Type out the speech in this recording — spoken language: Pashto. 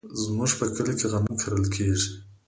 زمونږ په کلي کې غنم کرل کیږي.